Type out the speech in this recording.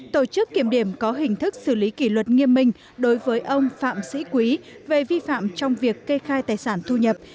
tổ chức kiểm điểm có hình thức xử lý kỷ luật nghiêm minh đối với ông phạm sĩ quý về vi phạm trong việc kê khai tài sản thu nhập